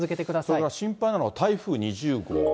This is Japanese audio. それから心配なのが台風２０号。